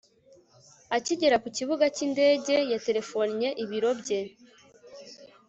akigera ku kibuga cy'indege, yaterefonnye ibiro bye